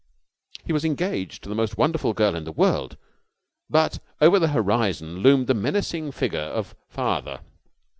He was engaged to the most wonderful girl in the world, but over the horizon loomed the menacing figure of Father.